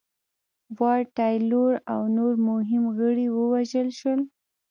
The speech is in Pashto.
واټ تایلور او نور مهم غړي ووژل شول.